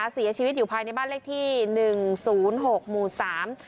เสียชีวิตอยู่ภายในบ้านเลขที่หนึ่งศูนย์หกหมู่สาม